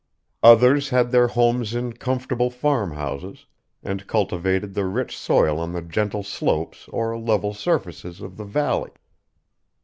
Others had their homes in comfortable farm houses, and cultivated the rich soil on the gentle slopes or level surfaces of the valley.